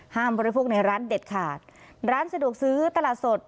บริโภคในร้านเด็ดขาดร้านสะดวกซื้อตลาดสด